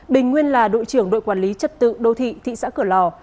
bình nguyên là đội trưởng đội quản lý trật tự đô thị thị xã cửa lò